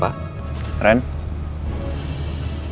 kamu harus bantuin dia